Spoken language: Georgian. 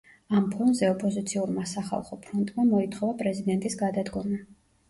ამ ფონზე ოპოზიციურმა სახალხო ფრონტმა მოითხოვა პრეზიდენტის გადადგომა.